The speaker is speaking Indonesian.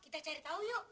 kita cari tahu yuk